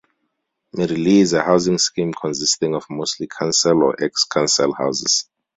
Merrylee is a housing scheme consisting of mostly council or ex-council houses.